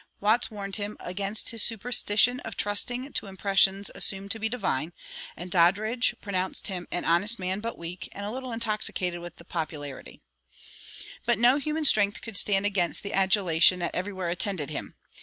Watts warned him against his superstition of trusting to "impressions" assumed to be divine; and Doddridge pronounced him "an honest man, but weak, and a little intoxicated with popularity."[169:1] But no human strength could stand against the adulation that everywhere attended him.